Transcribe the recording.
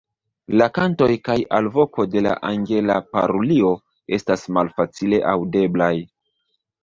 La kantoj kaj alvoko de la Angela parulio estas malfacile aŭdeblaj.